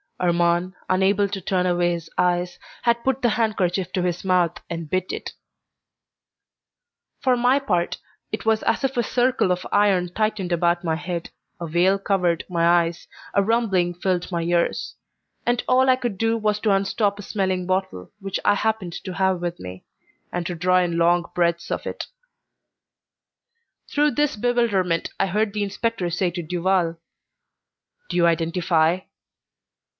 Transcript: Armand, unable to turn away his eyes, had put the handkerchief to his mouth and bit it. For my part, it was as if a circle of iron tightened about my head, a veil covered my eyes, a rumbling filled my ears, and all I could do was to unstop a smelling bottle which I happened to have with me, and to draw in long breaths of it. Through this bewilderment I heard the inspector say to Duval, "Do you identify?"